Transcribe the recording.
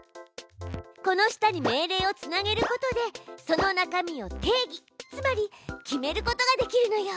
この下に命令をつなげることでその中身を定義つまり決めることができるのよ。